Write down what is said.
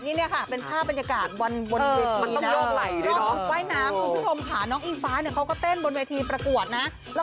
นี่นี่ค่ะเป็นภาพบรรยากาศบนเวทีนั้น